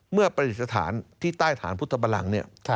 เมื่อประติศาสตร์ที่ใต้ฐานพุทธบัลลังค์เนี่ย